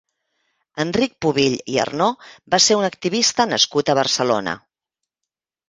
Enric Pubill i Arnó va ser un activista nascut a Barcelona.